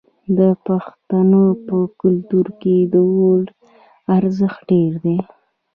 د پښتنو په کلتور کې د اور ارزښت ډیر دی.